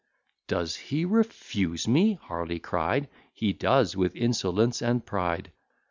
"Does he refuse me?" Harley cry'd: "He does; with insolence and pride."